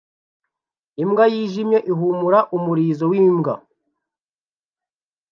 Imbwa yijimye ihumura umurizo wimbwa